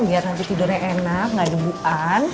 biar nanti tidurnya enak nggak ada buan